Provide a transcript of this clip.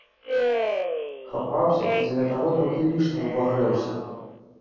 Хапаўся і дзеля таго троху лішне ўвагрэўся.